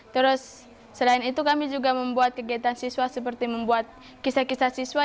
terus selain itu kami juga membuat kegiatan siswa seperti membuat kisah kisah siswa